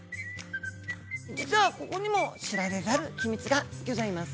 実はここにも知られざる秘密がギョざいます。